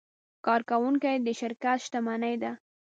کارکوونکي د شرکت شتمني ده.